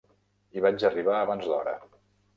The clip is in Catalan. Hi vaig arribar abans d'hora.